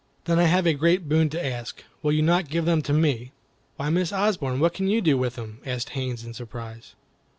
"Then I have a great boon to ask. Will you not give them to me?" "Why, Miss Osborne, what can you do with them?" asked Haines, in surprise.